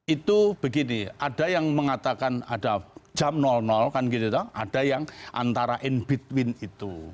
itu begini ada yang mengatakan ada jam kan gitu ada yang antara in between itu